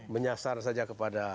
menyasar saja kepada